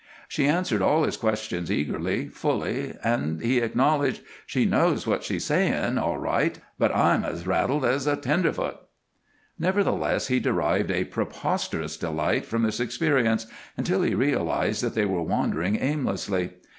She answered all his questions eagerly, fully, and he acknowledged: "She knows what she's sayin', all right, but I'm as rattled as a tenderfoot." Nevertheless he derived a preposterous delight from this experience, until he realized that they were wandering aimlessly.